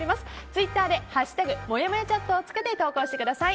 ツイッターで「＃もやもやチャット」をつけて投稿してください。